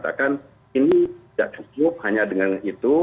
ini tidak cukup hanya dengan itu